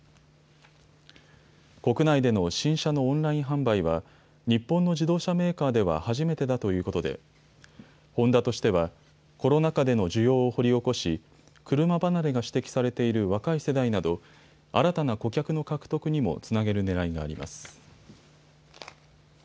国内での新車のオンライン販売は日本の自動車メーカーでは初めてだということでホンダとしてはコロナ禍での需要を掘り起こし車離れが指摘されている若い世代など新たな顧客の獲得にもつなげるねらいがあります。